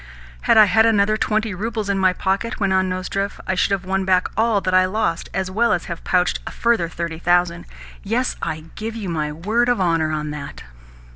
"Had I had another twenty roubles in my pocket," went on Nozdrev, "I should have won back all that I have lost, as well as have pouched a further thirty thousand. Yes, I give you my word of honour on that."